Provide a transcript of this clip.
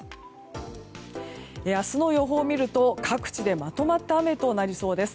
明日の予報を見ると各地でまとまった雨となりそうです。